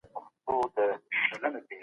يو ځوان په غونډي کي خپل نظر ورکوي.